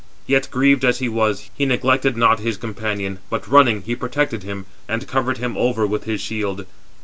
Yet, grieved as he was, he neglected not his companion, but running, he protected him, and covered him over with his shield.